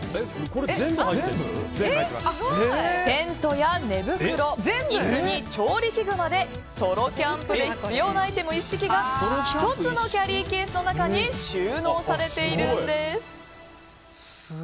テントや寝袋椅子に調理器具までソロキャンプで必要なアイテム一式が１つのキャリーケースの中に収納されているんです。